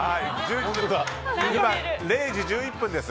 今、０時１１分です。